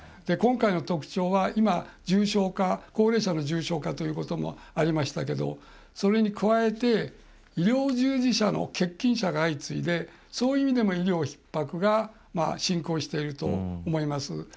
今回の特徴は今、高齢者の重症化ということもありましたけれど、それに加えて医療従事者の欠勤者が相次いで、そういう意味でも医療ひっ迫が進行していると思います。